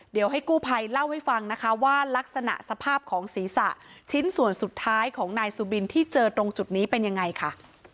เดี๋ยวให้กู้ภัยเล่าให้ฟังนะคะว่ารักษณะสภาพของศีรษะชิ้นส่วนสุดท้ายของนายสุบินที่เจอตรงจุดนี้เป็นยังไงค่ะ